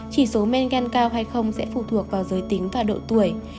chỉ số men gan cao hay không sẽ phụ thuộc vào giới tính và độ tuổi